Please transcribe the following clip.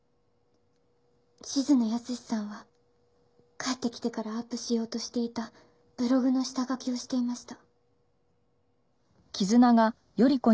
静野保志さんは帰ってきてからアップしようとしていたブログの下書きをしていました。